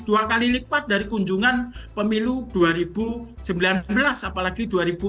dua kali lipat dari kunjungan pemilu dua ribu sembilan belas apalagi dua ribu dua puluh